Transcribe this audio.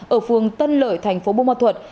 ở phương tân lợi thành phố buôn ma thuật